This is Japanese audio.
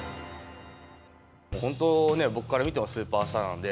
本当、僕から見てもスーパースターなんで、